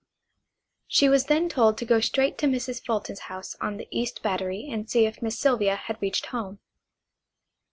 She was then told to go straight to Mrs. Fulton's house on the East Battery and see if Miss Sylvia had reached home.